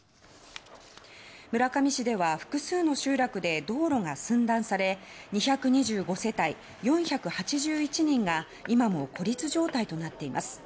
村上市では複数の集落で道路が寸断され２２５世帯４８１人が今も孤立状態となっています。